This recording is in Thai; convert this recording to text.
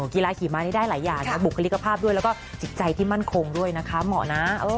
ขี่ม้านี้ได้หลายอย่างนะบุคลิกภาพด้วยแล้วก็จิตใจที่มั่นคงด้วยนะคะเหมาะนะ